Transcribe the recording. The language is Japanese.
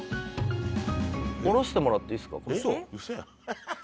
下ろしてもらっていいですか？